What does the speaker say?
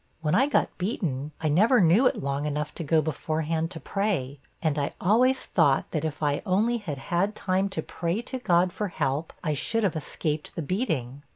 When I got beaten, I never knew it long enough to go beforehand to pray; and I always thought that if I only had had time to pray to God for help, I should have escaped the beating.'